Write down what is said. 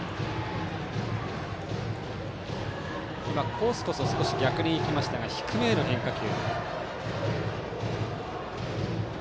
コースこそ逆に行きましたが低めの変化球。